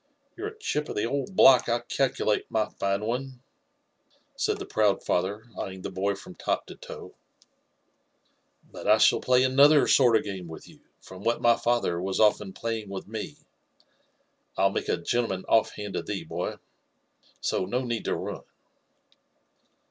You're a chip of the old block, I calculate, my fine one»'iMM.te J0N4^TIUN JEFFB9S0N WHfTILAW. {} proad father, eyeing the boy from top to f oe ;'' but I shall play another sort of game with you, from what my father was often playing with me — ru make a gentleman off hand of thee, boy — so no need to run."